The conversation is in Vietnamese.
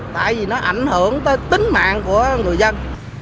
tại vì nó ảnh hưởng tới tính mạng của người dân